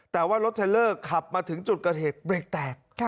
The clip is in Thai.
แต่ว่ารถเทลเลอร์ขับมาถึงจุดเกิดเหตุเบรกแตก